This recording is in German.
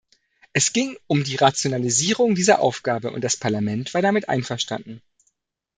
Es ging um die Rationalisierung dieser Aufgabe, und das Parlament war damit einverstanden.